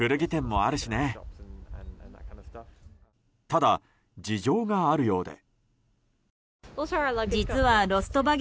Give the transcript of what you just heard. ただ、事情があるようで。